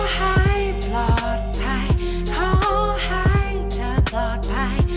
ให้ปลอดภัยขอให้เธอปลอดภัย